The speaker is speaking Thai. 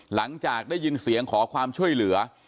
หลังจากได้ยินเสียงขอความช่วยเหลือ